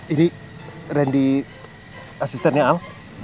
ini randy asistennya al